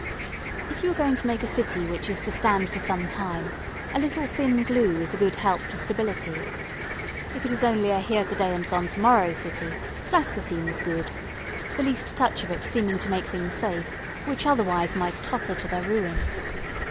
If you are going to make a city which is to stand for some time, a little thin glue is a good help to stability. If it is only a here to day and gone to morrow city, Plasticine is good the least touch of it seeming to make things safe which otherwise might totter to their ruin.